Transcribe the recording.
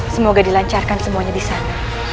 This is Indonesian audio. semoga dilancarkan semuanya di sana